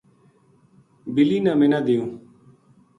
بِلی نا منا دیوں